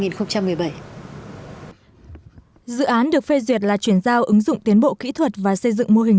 dự án được phê duyệt là chuyển giao ứng dụng tiến bộ kỹ thuật và xây dựng mô hình